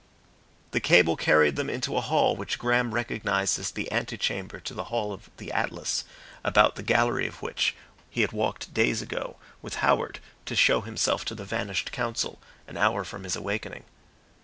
The cable carried them into a hall which Graham recognised as the ante chamber to the Hall of the Atlas, about the gallery of which he had walked days ago with Howard to show himself to the Vanished Council, an hour from his awakening.